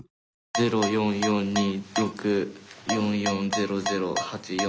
０４４２６４４００８４。